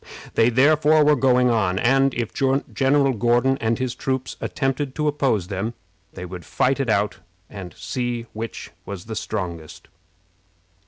They therefore were going on, and, if General Gordon and his troops attempted to oppose them, they would fight it out and see which was the strongest.